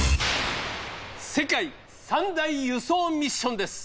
「世界三大輸送ミッション」です。